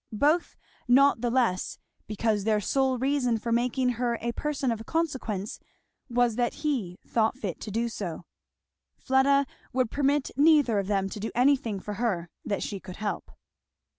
Both not the less, because their sole reason for making her a person of consequence was that he had thought fit to do so. Fleda would permit neither of them to do anything for her that she could help.